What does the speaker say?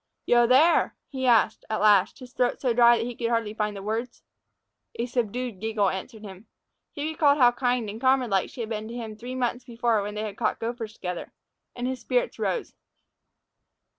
"Yo there?" he asked, at last, his throat so dry that he could scarcely find the words. A subdued giggle answered him. He recalled how kind and comrade like she had been to him three months before when they had caught gophers together, and his spirits rose.